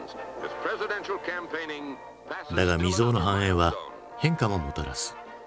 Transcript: だが未曽有の繁栄は変化ももたらす。